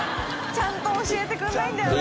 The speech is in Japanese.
ちゃんと教えてくれないんだよな。